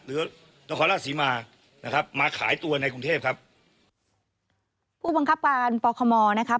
นครราชศรีมานะครับมาขายตัวในกรุงเทพครับผู้บังคับการปคมนะครับ